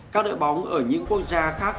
các đội bóng ở những quốc gia khác